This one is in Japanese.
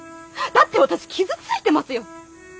だって私傷ついてますよ。